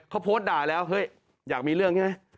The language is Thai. เขาโพสต์ด่าแล้วเฮ้ยอยากมีเรื่องใช่ไหม